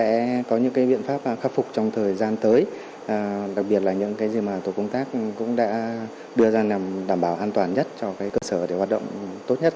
sẽ có những biện pháp khắc phục trong thời gian tới đặc biệt là những cái gì mà tổ công tác cũng đã đưa ra nhằm đảm bảo an toàn nhất cho cơ sở để hoạt động tốt nhất